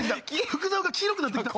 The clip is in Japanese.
福澤が黄色くなってきた。